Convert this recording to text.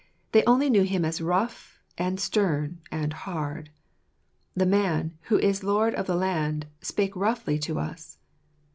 They only knew him as rough, and stern, and hard. "The man, who is lord of the land, spake roughly to us."